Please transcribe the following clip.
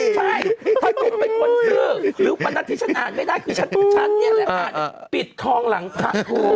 ใช่ถ้านุ่มเป็นคนซื่อหรือประณะที่ฉันอ่านไม่ได้คือฉันอ่านปิดทองหลังพระ